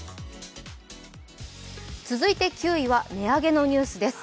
続いて９位は値上げのニュースです。